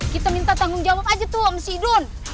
kita minta tanggung jawab aja tuh om sidon